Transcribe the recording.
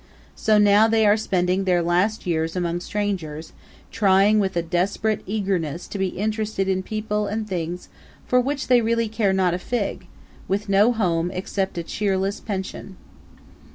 So now they are spending their last years among strangers, trying with a desperate eagerness to be interested in people and things for which they really care not a fig, with no home except a cheerless pension.